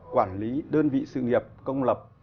quản lý đơn vị sự nghiệp công lập